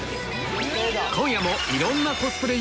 今夜もいろんなコスプレ